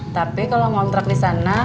tapi kalau ngontrak disana